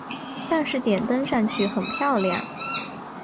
但是点灯上去很漂亮